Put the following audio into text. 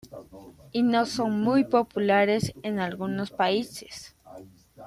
Y no son muy populares en algunos países.